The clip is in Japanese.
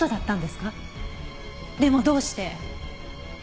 でもどうして。